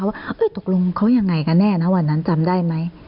ว่าตกลงเขายังไงกันแน่นะวันนั้นจำได้ไหม